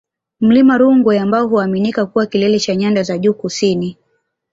Mlima Rungwe ambao huaminika kuwa kilele cha Nyanda za Juu Kusini